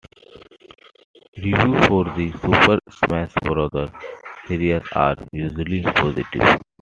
Reviews for the "Super Smash Brothers" series are usually positive.